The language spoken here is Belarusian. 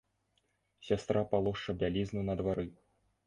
Сястра палошча бялізну на двары.